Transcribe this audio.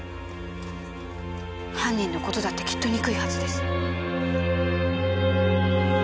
犯人の事だってきっと憎いはずです。